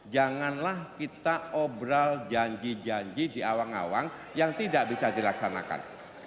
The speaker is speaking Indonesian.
janganlah kita obrol janji janji di awang awang yang tidak bisa dilaksanakan